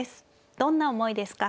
どんな思いですか。